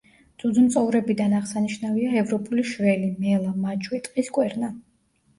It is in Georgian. ძუძუმწოვრებიდან აღსანიშნავია: ევროპული შველი, მელა, მაჩვი, ტყის კვერნა.